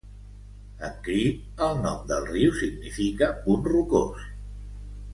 En cree, el nom del riu significa "punt rocós".